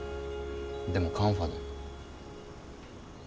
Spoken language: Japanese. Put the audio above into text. でもカンファで。